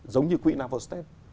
giống như quỹ navostep